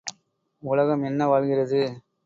உலகம் என்ன வாழ்கிறது?